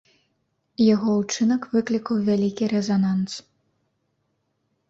Яго ўчынак выклікаў вялікі рэзананс.